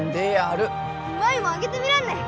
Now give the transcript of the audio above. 舞もあげてみらんね。